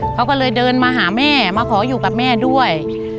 เขาก็เลยเดินมาหาแม่มาขออยู่กับแม่ด้วย